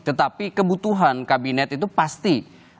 tetapi kebutuhan kabinet itu pasti